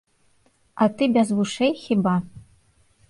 А ты без вушэй хіба?